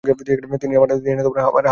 তিনি আমার হাত ধরে রয়েছেন।